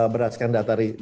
berdasarkan data dari cdc itu